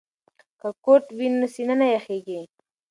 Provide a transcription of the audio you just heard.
که کوټ وي نو سینه نه یخیږي.